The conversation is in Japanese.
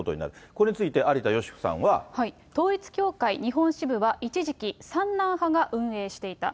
これについて、統一教会日本支部は、一時期、三男派が運営していた。